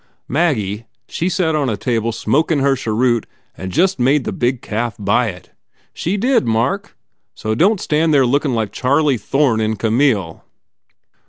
Maggie, she set on a table smokin her cheroot and just made the big calf buy it. ... She did, Mark. So don t stand there lookin like Charlie Thorne in Camille